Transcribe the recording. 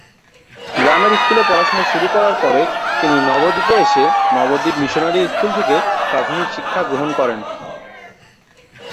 গ্রামের স্কুলে পড়াশোনা শুরু করার পরে তিনি নবদ্বীপে এসে "নবদ্বীপ মিশনারি স্কুল" থেকে প্রাথমিক শিক্ষাগ্রহণ করেন।